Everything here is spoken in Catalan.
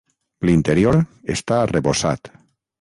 L'interior està arrebossat.